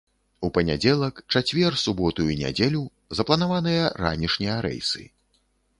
У панядзелак, чацвер, суботу і нядзелю запланаваныя ранішнія рэйсы.